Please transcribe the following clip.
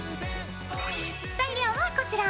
材料はこちら。